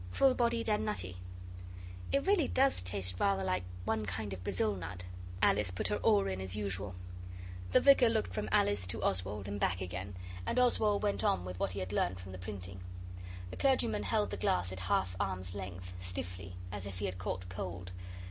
Full bodied and nutty.' 'It really does taste rather like one kind of Brazil nut.' Alice put her oar in as usual. The Vicar looked from Alice to Oswald, and back again, and Oswald went on with what he had learned from the printing. The clergyman held the glass at half arm's length, stiffly, as if he had caught cold.